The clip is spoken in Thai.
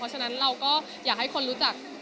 ฉะนั้นเราก็อยากให้คนรู้จัก